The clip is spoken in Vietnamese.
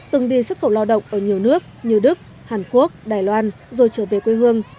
từng đi xuất khẩu lao động ở nhiều nước như đức hàn quốc đài loan rồi trở về quê hương